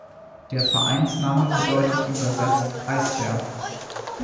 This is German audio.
Der Vereinsname bedeutet übersetzt „Eisbär“.